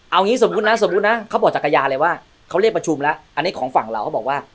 เอางี้สมมุตินะสมมุตินะเขาบอกจักรยานเลยว่าเขาเรียกประชุมแล้วอันนี้ของฝั่งเราเขาบอกว่า